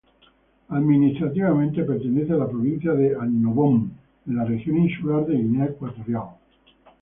Administrativamente pertenece a la Provincia de Annobón en la Región Insular de Guinea Ecuatorial.